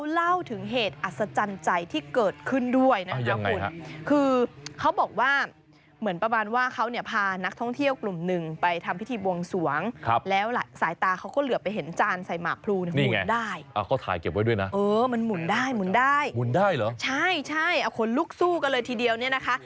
ลุกสู้กันเลยทีเดียวเนี่ยนะคะ